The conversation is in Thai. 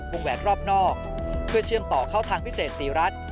แหวนรอบนอกเพื่อเชื่อมต่อเข้าทางพิเศษศรีรัฐ